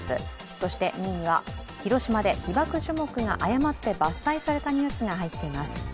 そして２位には広島で被爆樹木で誤って伐採されたニュースが入っています。